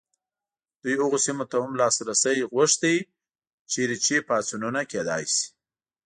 دوی هغو سیمو ته هم لاسرسی غوښت چیرې چې پاڅونونه کېدای شي.